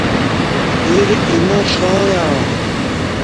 دیر ایمو ݜاں یعاں